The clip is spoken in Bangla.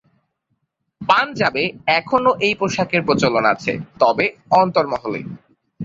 পাঞ্জাবে এখনো এই পোশাকের প্রচলন আছে তবে অন্তরমহলে।